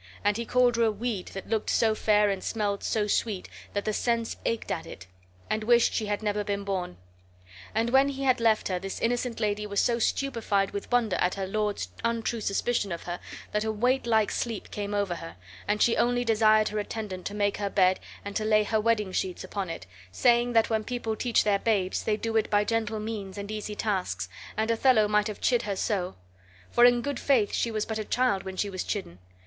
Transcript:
And he called her a weed that looked so fair and smelled so sweet that the sense ached at it; and wished she had never been born. And when he had left her this innocent lady was so stupefied with wonder at her lord's untrue suspicion of her that a weightlike sleep came over her, and she only desired her attendant to make her bed and to lay her wedding sheets upon it, saying that when people teach their babes they do it by gentle means and easy tasks, and Othello might have chid her so; for in good faith she was but a child when she was chidden.